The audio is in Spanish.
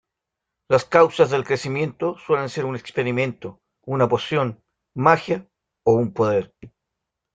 Las causas del crecimiento suelen ser un experimento, una poción, magia o un poder.